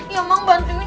ya mak bantuin ya mak